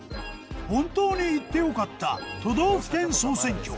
本当に行って良かった都道府県総選挙。